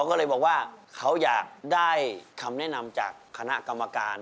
ก็เลยบอกว่าเขาอยากได้คำแนะนำจากคณะกรรมการ